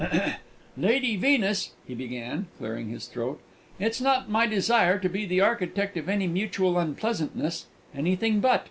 "Lady Venus," he began, clearing his throat, "it's not my desire to be the architect of any mutual unpleasantness anything but!